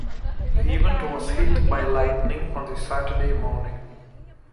The event was hit by lightning on the Saturday morning.